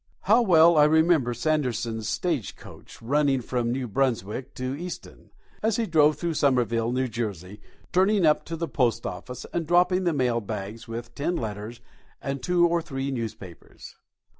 How well I remember Sanderson's stage coach, running from New Brunswick to Easton, as he drove through Somerville, New Jersey, turning up to the post office and dropping the mail bags with ten letters and two or three newspapers!